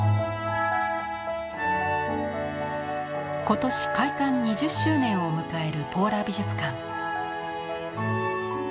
今年開館２０周年を迎えるポーラ美術館。